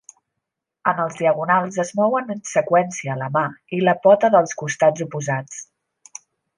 En els diagonals es mouen en seqüència la mà i la pota dels costats oposats.